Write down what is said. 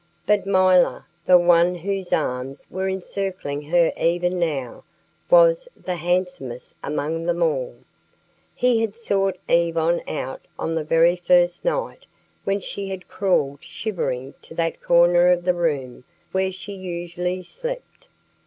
But milor the one whose arms were encircling her even now was the handsomest among them all. He had sought Yvonne out on the very first night when she had crawled shivering to that corner of the room where she usually slept.